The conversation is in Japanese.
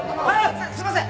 すすいません！